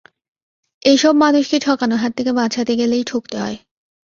এ-সব মানুষকে ঠকানোর হাত থেকে বাঁচাতে গেলেই ঠকতে হয়।